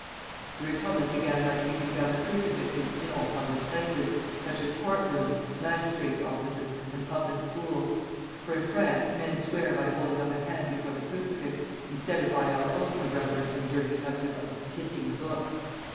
The Republic began by taking down the crucifixes in all public places, such as court rooms, magistrates' offices, and public schools; for in France men swear by holding up a hand before the crucifix, instead of by our own irreverent and dirty custom of "kissing the book."